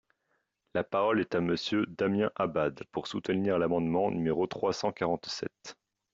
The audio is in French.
La parole est à Monsieur Damien Abad, pour soutenir l’amendement numéro trois cent quarante-sept.